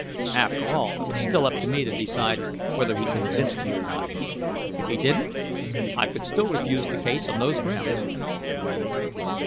After all, it was still up to me to decide whether he convinced me or not. If he didn't, I could still refuse the case on those grounds.